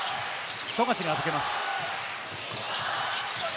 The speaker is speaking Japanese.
富樫に預けます。